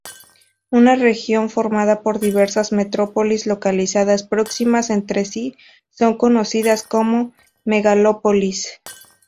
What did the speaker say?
Una región formada por diversas metrópolis localizadas próximas entre sí son conocidas como megalópolis.